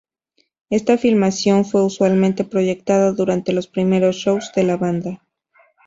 Esta filmación fue usualmente proyectada durante los primeros shows de la banda.